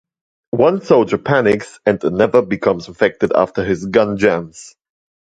One soldier panics and another becomes infected after his gun jams.